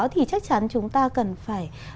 thì chắc chắn chúng ta cần phải